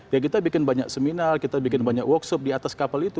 ya kita bikin banyak seminal kita bikin banyak workshop di atas kapal itu